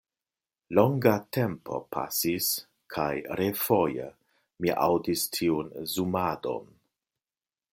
Longa tempo pasis kaj refoje mi aŭdis tiun zumadon.